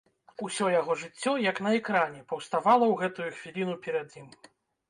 Усё яго жыццё, як на экране, паўставала ў гэтую хвіліну перад ім.